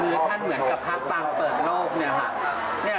คือท่านเหมือนกับพักปางเปิดโลกเนี่ยค่ะ